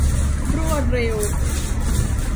รวดเร็ว